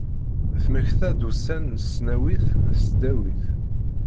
Temmekta-d ussan n tesnawit d tesdawit.